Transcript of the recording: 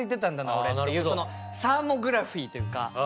俺っていうサーモグラフィーというか。